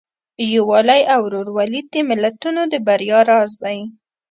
یووالی او ورورولي د ملتونو د بریا راز دی.